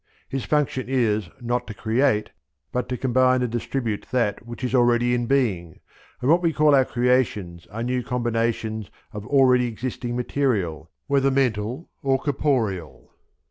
His function is, not to create, but to combine and distribute that which is already in being, and what we call our creations are new combinations of already existing material, whether mental or corporeal.